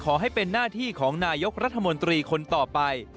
ขอให้เป็นหน้าที่ของนายกรัฐมนตรีคนต่อไป